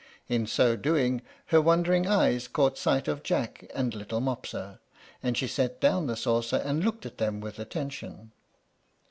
In so doing her wandering eyes caught sight of Jack and little Mopsa, and she set down the saucer, and looked at them with attention.